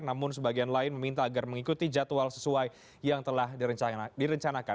namun sebagian lain meminta agar mengikuti jadwal sesuai yang telah direncanakan